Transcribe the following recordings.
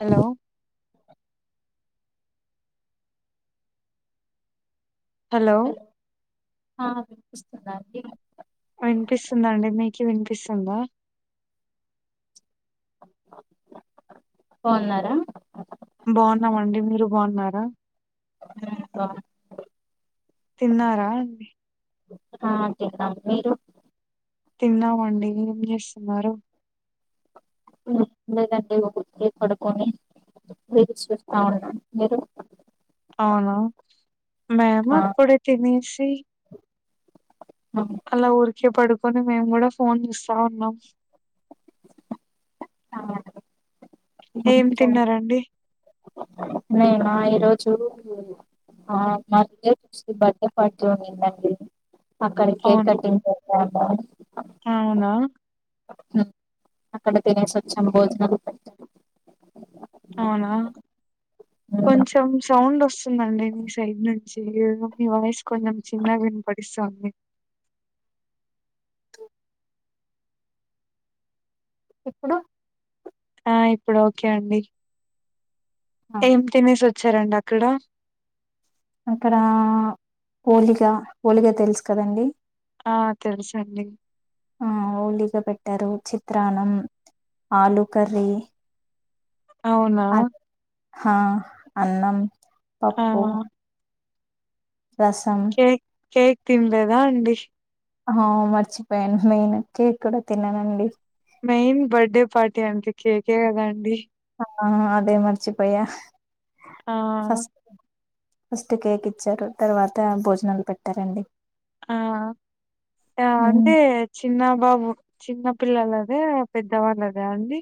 Hello. Hello. వినిపిస్తుదాంటీ. ఆ వినిపిస్తుందండి మీకు వినిపిస్తుందా. బావున్నారా. బాగున్నామండి మీరు బాగున్నారా. ఉంక. తిన్నారా ఆ తిన్నాం మీరు తిన్నామండి ఏం చేస్తున్నారు లేదండి ఒక దిక్కే పడుకొని రీల్స్ చూస్తా ఉన్నాను మీరు అవునా మేము ఆ అప్పుడే తినేషి ఆ. అలా ఊరికే పడుకొని మేము కూడా ఫోన్ చూస్తా ఉన్నాం తా ఏం తిన్నారండి నేనా ఈరోజు ఆ మా రిలేటివ్స్ది బర్త్డే పార్టీ ఉనిందండి అక్కడ కేక్ అవును కటింగ్ కెళ్ళమూ అవునా అక్కడ తినేసొచ్చాం భోజనం అవునా ఉమ్, కొంచెం సౌండ్ వస్తుందండి మీ సైడ్ నుంచి ఏదో మీ వాయిస్ కొంచెం చిన్నగా వినపడిస్తా ఉంది ఇప్పుడు ఆ ఇప్పుడు ఓకే అండి ఆ, ఏం తినేసి వచ్చారండి అక్కడ అక్కడ హోలిగా హోలిగా తెలుసు కదండి ఆ తెలుసండి ఆ ఓలిగా పెట్టారు చిత్రాన్నం ఆలు కర్రీ అవునా హా అన్నం పప్పు ఆ రసం కేక్ కేక్ తినలేదా అండి ఆ మర్చిపోయాను మెయిన్ కేక్ కూడా తిన్నానండి మెయిన్ బర్త్డే పార్టీ అంటే కేకే కదా అండి హా అదే మరిచిపోయా ఆ ఫస్ ఫస్ట్ కేక్ ఇచ్చారు తర్వాత భోజనాలు పెట్టారండి ఆ హ్మ్. ఎవంటే చిన్న బాబు చిన్న పిల్లలదే పెద్దవాళ్ళదా అండి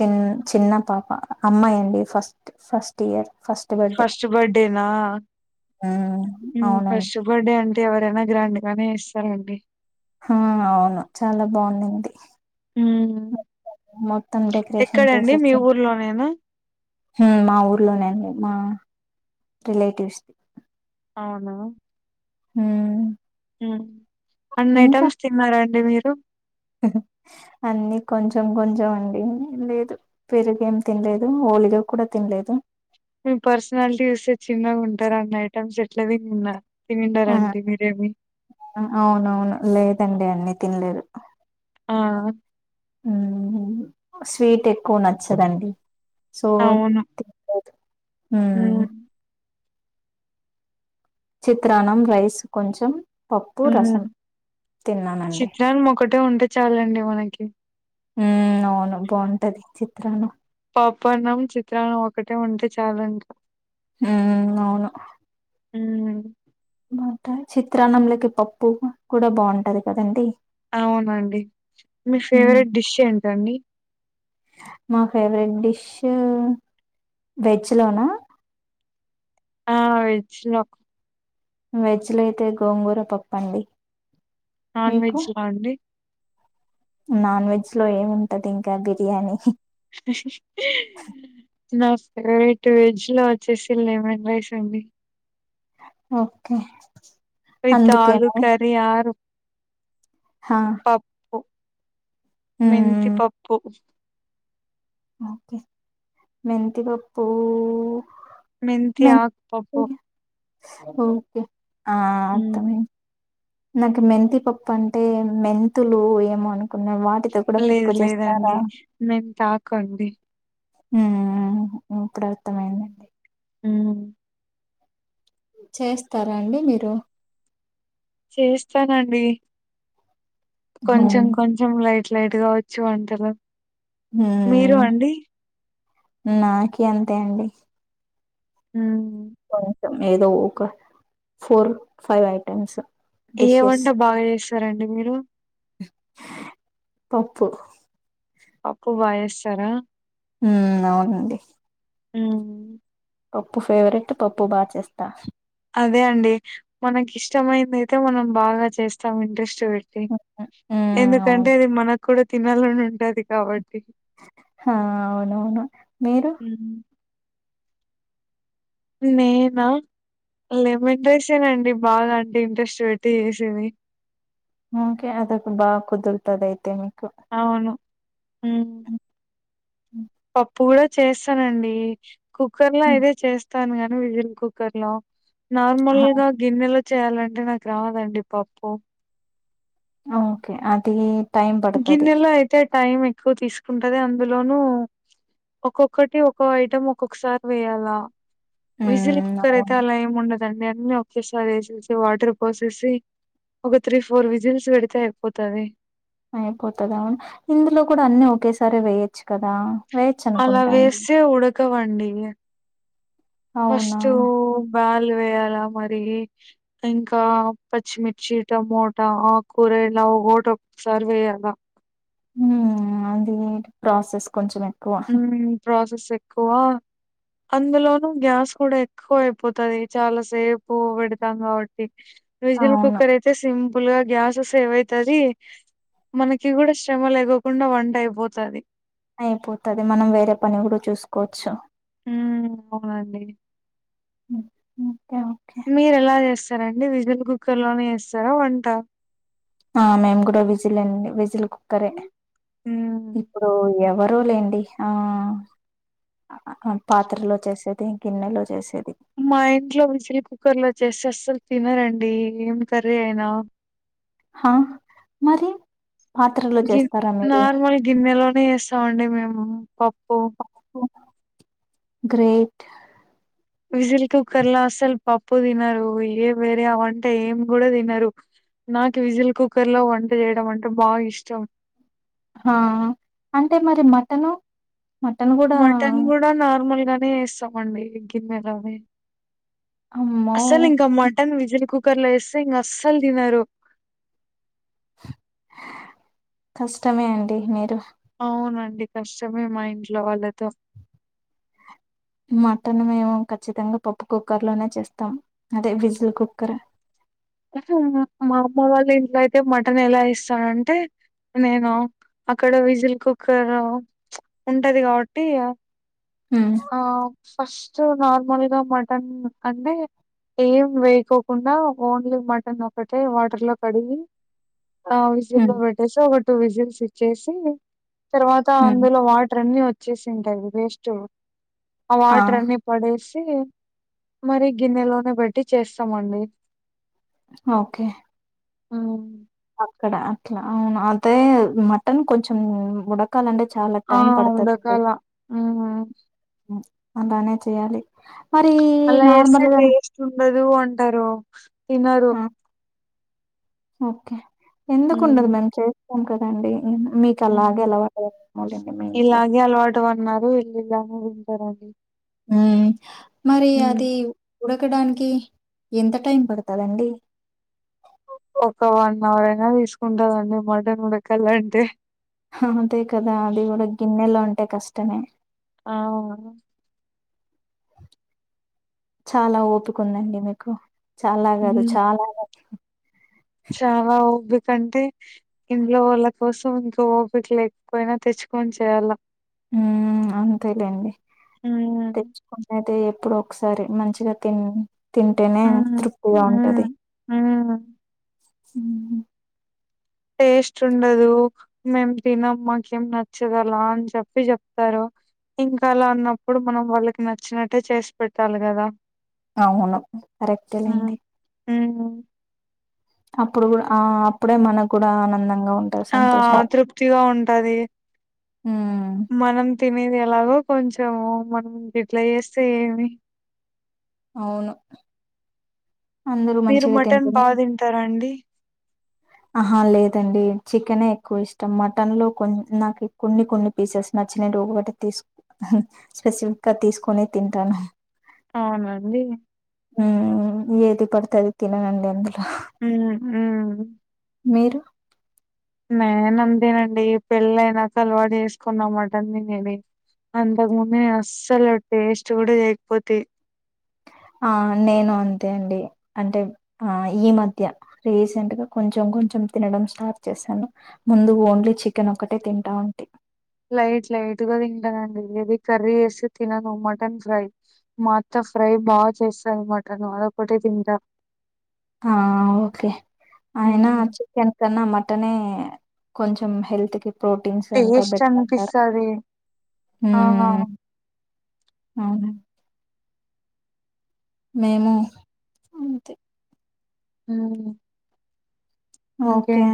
చిన్ చిన్న పాప అమ్మాయి అండి first first year first birthday first బర్డేనా ఊ అవునండి ఫస్ట్ బర్త్డే అంటే ఎవరైనా గ్రాండ్ గానే చేస్సారండి హా అవును చాలా బా ఉన్నిన్నింది మ్మ్ మొత్తం మొత్తం డెకరేషన్ ఎక్కడండి మీ చేసేసి ఊర్లోనేనా హు మా ఊర్లోనే అండి మా రిలేటివ్స్ అవునా ఉహ్ ఉ అన్ని ఐటమ్స్ తిన్నారా అండి మీరు అన్ని కొంచెం కొంచెం అండి లేదు పెరుగేం తినలేదు హోలిగా కూడా తినలేదు మీ పర్సనాలిటీ చూస్తే చిన్నగా ఉంటారు అన్ని ఐటెమ్స్ ఎట్లదిన్నర్ ఆ తినిండరండి మీరేమి అవునవును లేదండి అన్ని తినలేదు ఆ ఉమ్ స్వీట్ ఎక్కువ నచ్చదండి సో ఉ ఉమ్ చిత్రాన్నం రైస్ కొంచెం పప్పు ఉమ్ రసం తిన్నానండి చిత్రాన్నం ఒకటే ఉంటే చాలండి మనకి ఉమ్ అవును బాగుంటది చిత్రాన్నం పప్పన్నం చిత్రాన్నం ఒకటే ఉంటే చాలండి ఉమ్ అవును ఉమ్ మొత్తం చిత్రాన్నంలకి పప్పు కూడా బాగుంటది కదండి అవునండి మీ ఫేవరెట్ డిష్ ఏంటండి మా ఫేవరెట్ డిష్ వెజ్ లోనా ఆ వెజ్ లో వెజ్ లో అయితే గోంగూర పప్పండి నాన్ వెజ్ లో అండి నాన్ వెజ్ లో ఏముంటది ఇంకా బిర్యానీ నా ఫేవరెట్ వెజ్ లో వచ్చేసి లేమన్ రైస్ అండి ఓకే విత్ ఆలు అందుకేనా కర్రీ ఆరు హా పప్పు మ్మ్ మెంతిపప్పు ఓకే మెంతిపప్పు మెంతి ఆకు పప్పు ఓకే ఆ హ్మ్. అర్ధమై నాకు మెంతిపప్పు అంటే మెంతులు ఏమోను అనుకున్నా వాటితో కూడా లేదు పప్పు చేస్తారా లేదండి. మెంతాకండి ఊ ఇప్పుడు అర్ధమైంది ఊ చేస్తారా అండి మీరు చేస్తానండి కొంచెం మ్మ్ కొం చెం లైట్ లైట్ గా వచ్చు వంటలు ఊ మీరు అండి? నాకి అంతే అండి ఉ కొంచం ఏదో ఒక ఫోర్ ఫైవ్ ఐటమ్స్ ఏ డిషెస్ వంట బాగా చేస్తారండి మీరు పప్పు పప్పు బా చేస్తారా ఉమ్ అవునండి ఉ పప్పు ఫేవరెట్ పప్పు బా చేస్తా అదే అండి మనకి ఇష్టమైంది అయితే మనం బాగా చేస్తా స్తాం ఇంట్రెస్ట్ పెట్టి మ్మ్ అవును ఎందుకంటే అది మన కూడా తినాలని ఉంటది కాబట్టి ఆ అవునవును మీరు హు హమ్ నేనా లెమన్ రైస్ నండి బాగా అంటే ఇంట్రెస్ట్ పెట్టి చేసేది ఓకే అదొక బాగా కుదురుతది ఆయితే మీకు అవును ఉం పప్పు కూడా చేస్తానండి కుక్కర్ లో ఉమ్, అయిదే చేస్తాను గానీ విజల్ కుక్కర్ లో నార్మల్ గా గిన్నెలో చేయాలంటే నాకు రాదండి పప్పు ఆ ఓకే అది టైం పడతది గిన్నెలో అయితే టైం ఎక్కువ తీసుకుంటది అందులోనూ ఒక్కొక్కటి ఒక్కొ ఐటెం ఒక్కొక్కసారి వేయాలా విజిల్ మ్మ్ కుక్కర్ అయితే అవును అలా ఏమి ఉండదండి అన్ని ఒకేసారి వేసేసి వాటర్ పోసేసి ఒక త్రీ ఫోర్ విజిల్స్ పెడితే అయిపోతది అయిపోతదా ఇందులో కూడా అన్నీ ఒకేసారి వేయచ్చు కదా వేయొచ్చు అలా అనుకుంటా అండి వేస్తే ఉడకవండివి అవునా ఫస్ట్ బాల్ పోయాల మరి ఇంకా పచ్చిమిర్చి టమాట ఆకు కూర ఇలా ఒకట సర్వే అలా ఉం అది ప్రాసెస్ కొంచమే ఉం ప్రాసెస్ ఎక్కువ అందులోనూ గ్యాస్ కూడా ఎక్కువ అయిపోతది చాలా సేపు పెడతాం కాబట్టి విజిల్ అవును కుక్కర్ అయితే సింపుల్ గా గ్యాస్ సేవ్ అయితుది మనకి కూడా శ్రమ లేకో కుండా వంట అయిపోతుది అయిపోతది మనం వేరే పని కూడా చూసుకోవచ్చు ఉమ్ అవునండి ఓకే ఓకే మీరు ఎలా చేస్తారండి విడిజిల్ కుక్కర్ లోనే చేస్తారా వంట ఆ మేము కూడా విజిలే అండి విజిల్ కుక్కరే హ్మ్. ఇప్పుడు ఎవరో లేండి ఆ పాత్రలో చేసేది గిన్నెలో చేసేది మా ఇంట్లో విజలీ కుక్కర్ లో చేస్తే అస్సలు తినరండి ఏం కర్రీ అయినా హా మరి పాత్రలో గి చేస్తారా మీరు నార్మల్ గిన్నెలోనే వేస్తా మండి మేము పప్పు గ్రేట్ విజిల్ కుక్కర్ లో అసలు పప్పు తినరు ఏ వేరే వంట ఏం కూడా తినరు నాకు విజల్ కుక్కర్ లో వంట చేయడం అంటే బాగా ఇష్టం ఆ అంటే మరి మటను మటన్ కూడా మటన్ కూడా నార్మల్ గానే వేస్తామండి గిన్నెలోనే అమ్మో అస్సలు ఇంకా మటన్ విజల్ కుక్కర్ లో వేస్తే ఇంకా అస్సలు తినరు కష్టమే అండి మీరు అవునండి కష్టమే మా ఇంట్లో వాళ్ళతో మటన్ మేము ఖచ్చితంగా పప్పు కుక్కర్ లోనే చేస్తాం అదే విజిల్ కుక్కర్ మా అమ్మ వాళ్ళ ఇంట్లో అయితే మటన్ ఎలా ఇస్తారంటే నేను అక్కడ విజిల్ కుక్కర్ చ్ ఉంటది కాబట్టి ఉం ఆ ఫస్ట్ నార్మల్ గా మటన్ అంటే ఏం వేయకోకుండా ఓన్లీ మటన్ ఒకటే వాటర్ లో కడిగి ఆ విజిల్ లో ఉమ్ పెట్టేసి ఒక టు విజిల్స్ ఇచ్చేసి తర్వాత ఉమ్ అందులో వాటర్ అన్ని వచ్చేసి ఉంటాది వేస్ట్ ఆ వాటర్ అన్ని పడేసి మరి గిన్నెలోనే బట్టి చేస్తామండి ఓకే ఊ అక్కడ అట్లా అవును అదే మటన్ కొంచెం ఉడ క్కాలంటే చాలా ఆ టైం పడతదండి ఉడకాల హ్మ్. అలానే చెయాలి మరి అలా చేస్తే నార్మల్గా టేస్ట్ ఉండదు అంటారు తినరు ఆ! ఓకే హ్మ్. ఎందుకుండదు మేము చేస్తాం కదండి మీకు కల హ్మ్. గెలవలేము మళ్ళీ మీ ఇంట్లో టు వన్నీ వెళ్ళిళ్ళ అని వింటారు అండి ఊ మరి అది ఉడకడానికి ఎంత టైం పడతందండి ఒక వన్ అవర్ అయినా తీసుకుంటందండి మటన్ ఉడకల అంటే అంతే కదా అది కూడా గిన్నెలో అంటే కష్టమే ఆ చాలా ఓపికుందండి మీకు చాలా కాదు హ్మ్ చాలా చాలా ఓపికంటే ఇంట్లో వాళ్ళ కోసం ఇంకో ఓపిక లేక్కుపోయినా తెచ్చుకొని చేయాలా ఉ అంతేలేండి హ్మ్ తెచ్చుకు అయితే ఎప్పుడు ఒకసారి మంచిగా తిన్ తింటేనే హ్మ్ తృప్తిగా హ్మ్ ఉంటది హ్మ్ ఊ టేస్ట్ ఉండదు మేము తినమ్ మాకు ఏం నచ్చదలా అని చెప్పి చెప్తారు ఇంకా అలా అన్నప్పుడు మనం వాళ్ళకి నచ్చినట్టే చేసి పెట్టాలి కదా అవును కరెక్టే లేండి ఉహు అప్పుడు కూడా ఆ అప్పుడే మనకు కూడా ఆనందంగా ఉం ఆ తృప్తిగా ఉంటది ఉమ్ మనం తినేది ఎలాగో కొంచెం మనం ఇట్ల చేస్తే ఏమి అవును అందరూ మీరు మంచిగా మటన్ తింటేనే బాగా తింటారా అండి ఆహా లేదండి చికెనే ఎక్కువ ఇష్టం మటన్ లో కొ నాకు కొన్ని కొన్ని పీసెస్ నచ్చిన ఒకటి తీసు అహ స్పెసిఫిక్ గా తీసుకొని తింటాను అవునండి ఉ ఏది పడుతది తిననండి అందులో ఉహు మీరు నేనంతేనండి పెళ్ళైనాక అలవాటు చేసుకున్న మటన్ తినేది అంతకు ముందు అస్సలు టేస్ట్ కూడా చేయకపోతి ఆ నేను అంతే అండి అంటే ఆ ఈ మధ్య రీసెంట్ గా కొంచెం కొంచెం తినడం స్టార్ట్ చేశాను ముందు ఓన్లీ చికెన్ ఒకటే తింటా ఉంటి లైట్ లైట్ గా తింటానండి ఏది కర్రీ వేస్తే తినను మటన్ ఫ్రై మా అత్త ఫ్రై బా చేస్తదనమాట నేనదొకటే తింటా ఆ ఓకే ఆయనా మ్మ్ వచ్ చికెన్ కన్నా మటనే కొంచెం హెల్త్ కి ప్రోటీన్స్ ఎంత టేస్ట్ బెటరంటారు అనిపిస్తది ఆ హ్మ్ హ్మ్ మేము అంతే హ్మ్ ఓకే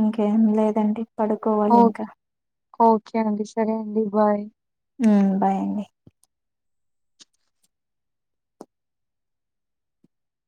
ఇంకేం లేదండి పడుకోవాలి ఓ ఇంకా ఓకే అండి సరే అండి బాయ్ హ్మ్ బాయండి